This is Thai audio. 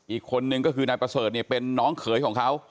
อีกคนนึงก็คือนายประเสริฐเนี่ยเป็นน้องเขยของเขา